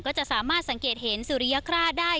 ก็จะสามารถสังเกตเห็นสุริยคราชได้